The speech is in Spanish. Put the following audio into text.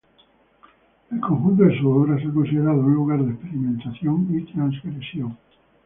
El conjunto de su obra se ha considerado un lugar de experimentación y transgresión.